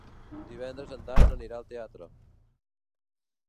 Divendres en Dan anirà al teatre.